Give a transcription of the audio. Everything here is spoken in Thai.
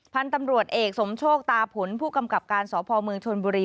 พันธุ์ตำรวจเอกสมโชคตาผลผู้กำกับการสพเมืองชนบุรี